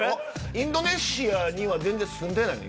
インドネシアには全然住んでないの？